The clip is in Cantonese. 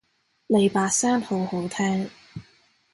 你把聲好好聽